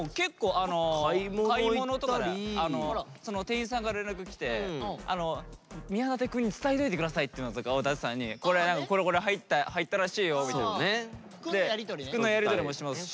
店員さんから連絡来て「宮舘くんに伝えといて下さい」っていうのとかを舘さんに「これこれ入ったらしいよ」みたいな。服のやり取りね。服のやり取りもしますし。